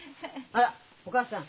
あらお母さん